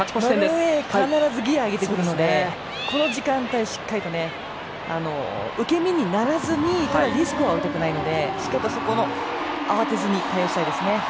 ノルウェー、必ずギヤを上げてくるのでこの時間帯しっかりとね、受け身にならずにしっかりと、そこは慌てずに対応したいですね。